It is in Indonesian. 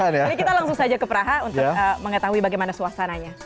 ini kita langsung saja ke praha untuk mengetahui bagaimana suasananya